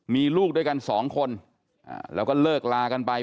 มีลูกด้วยกันสองคนแล้วก็เลิกลากันไป